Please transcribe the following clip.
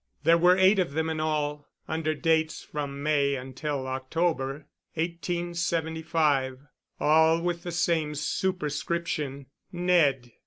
There were eight of them in all, under dates from May until October, 1875, all with the same superscription "Ned."